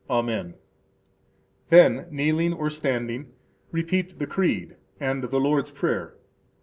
Amen. Then, kneeling or standing, repeat the Creed and the Lord's Prayer.